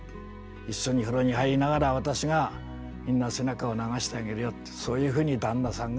一緒に風呂に入りながら私が君の背中を流してあげるよ」ってそういうふうに旦那さんが言った。